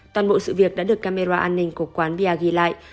toàn bộ sự việc đã được camera an ninh của quán bia ghi lại